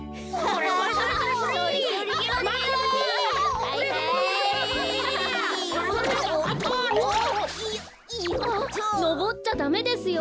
あっのぼっちゃダメですよ。